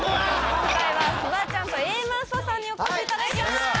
今回はフワちゃんとＡマッソさんにお越しいただきました。